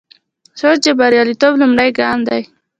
سوچ د بریالیتوب لومړی ګام دی.